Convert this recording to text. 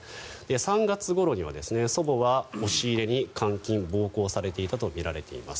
３月ごろには祖母は押し入れに監禁・暴行されていたとみられています。